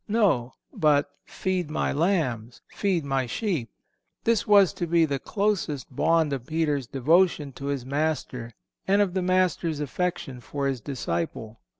No, but "feed My lambs," "feed My sheep." This was to be the closest bond of Peter's devotion to his Master, and of the Master's affection for His disciple.